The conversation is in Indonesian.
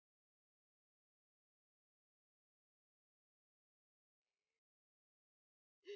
tapi apa yang berarti